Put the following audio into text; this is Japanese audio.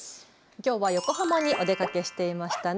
きょうは横浜にお出かけしていましたね。